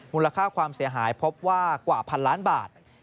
มูลค่าความเสียหายพบว่ากว่าพันล้านบาท